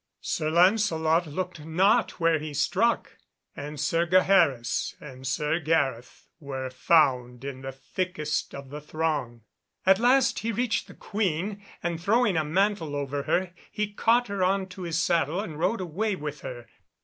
Sir Lancelot looked not where he struck, and Sir Gaheris and Sir Gareth were found in the thickest of the throng. At last he reached the Queen, and, throwing a mantle over her, he caught her on to his saddle and rode away with her.